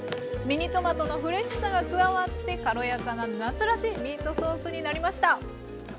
ミニトマトのフレッシュさが加わって軽やかな夏らしいミートソースになりました。